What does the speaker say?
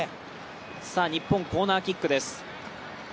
日本、コーナーキックです。